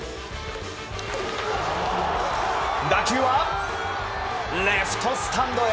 打球はレフトスタンドへ。